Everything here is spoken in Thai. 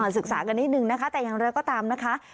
ศึกษากันนิดนึงนะคะแต่อย่างไรก็ตามนะคะ